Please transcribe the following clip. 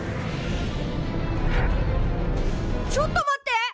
ちょっと待って！